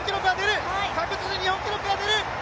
確実に日本記録が出る！